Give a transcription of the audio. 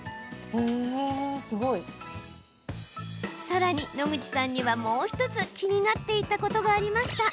さらに野口さんにはもう１つ気になっていたことがありました。